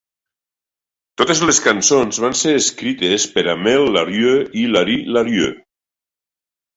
Totes les cançons van ser escrites per Amel Larrieux i Laru Larrieux.